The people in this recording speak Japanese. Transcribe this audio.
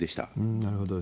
なるほど。